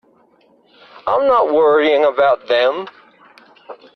I'm not worrying about them.